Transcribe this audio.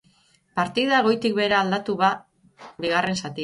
Partida goitik behera aldatu ba bigarren zatian.